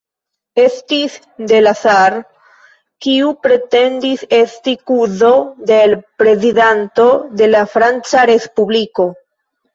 Estis Delasar, kiu pretendis esti kuzo de l' Prezidanto de la Franca Respubliko.